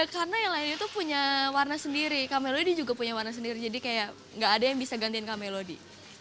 karena yang lain itu punya warna sendiri kamelody juga punya warna sendiri jadi kayak enggak ada yang bisa gantiin kamelody